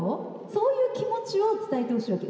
そういう気持ちを伝えてほしいわけ。